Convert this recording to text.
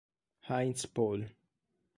Heinz Paul